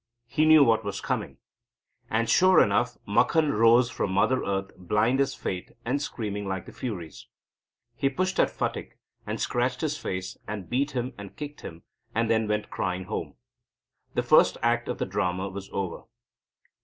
He knew what was coming. And, sure enough, Makhan rose from Mother Earth blind as Fate and screaming like the Furies. He rushed at Phatik and scratched his face and beat him and kicked him, and then went crying home. The first act of the drama was over.